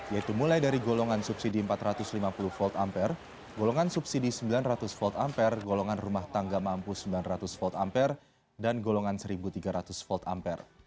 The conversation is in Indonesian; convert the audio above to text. yaitu mulai dari golongan subsidi empat ratus lima puluh volt ampere golongan subsidi sembilan ratus volt ampere golongan rumah tangga mampu sembilan ratus volt ampere dan golongan satu tiga ratus volt ampere